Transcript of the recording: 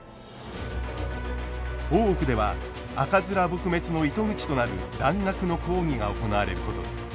大奥では赤面撲滅の糸口となる蘭学の講義が行われることに。